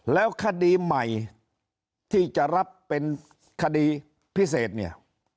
แล้วคดีใหม่ที่จะรับเป็นคดีพิเศษเนี่ย